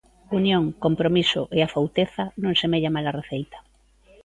Unión, compromiso e afouteza non semella mala receita.